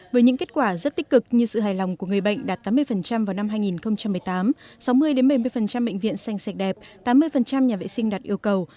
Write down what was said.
với những kết quả rất tích cực như sự hài lòng của người bệnh đạt tám mươi vào năm hai nghìn một mươi tám sáu mươi bảy mươi bệnh viện xanh sạch đẹp tám mươi nhà vệ sinh đạt yêu cầu